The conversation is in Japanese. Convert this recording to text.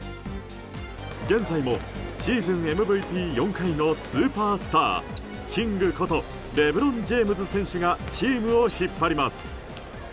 現在もシーズンＭＶＰ４回のスーパースターキングことレブロン・ジェームズ選手がチームを引っ張ります。